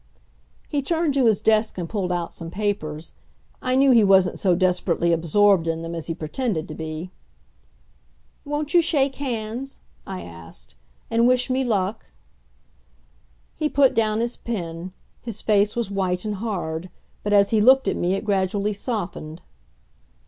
He turned to his desk and pulled out some papers. I knew he wasn't so desperately absorbed in them as he pretended to be. "Won't you shake hands," I asked, "and wish me luck?" He put down his pen. His face was white and hard, but as he looked at me it gradually softened.